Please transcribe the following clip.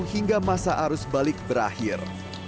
hingga masa arus balik berakhir